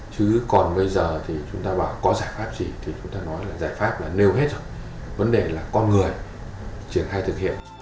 chứ còn bây giờ thì chúng ta bảo có giải pháp gì thì chúng ta nói là giải pháp là nêu hết rồi vấn đề là con người triển khai thực hiện